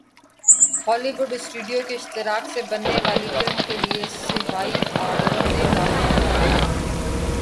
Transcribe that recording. Holi would studio کے اشتراک سے بننے والی فلم کیلئے سہائی ابڑو نے بال کٹوادیے